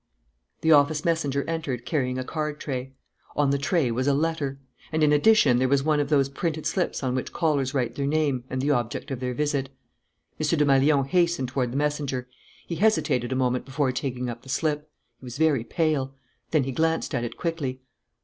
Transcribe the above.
The office messenger entered, carrying a card tray. On the tray was a letter; and in addition there was one of those printed slips on which callers write their name and the object of their visit. M. Desmalions hastened toward the messenger. He hesitated a moment before taking up the slip. He was very pale. Then he glanced at it quickly.